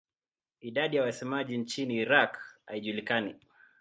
Idadi ya wasemaji nchini Iraq haijulikani.